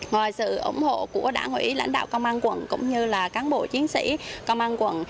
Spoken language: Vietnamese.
ngoài sự ủng hộ của đảng ủy lãnh đạo công an quận cũng như là cán bộ chiến sĩ công an quận